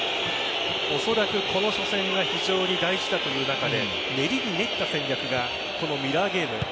おそらく、この初戦が非常に大事だという中で練りに練った戦略がミラーゲーム